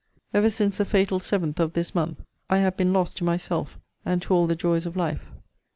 Ever since the fatal seventh of this month, I have been lost to myself, and to all the joys of life.